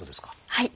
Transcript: はい。